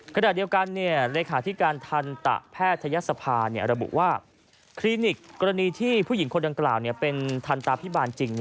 ขณะเดียวกันระบุว่าคลินิกกรณีที่ผู้หญิงคนดังกล่าวเป็นทันตาพิบาลจริง